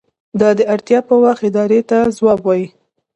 دا د اړتیا په وخت ادارې ته ځواب وايي.